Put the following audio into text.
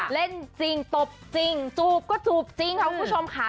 เล่นจริงตบจริงจูบก็จูบจริงค่ะคุณผู้ชมค่ะ